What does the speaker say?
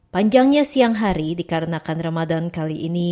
panjangnya siang hari dikarenakan ramadan kali ini